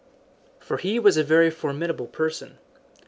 For he was a very formidable person.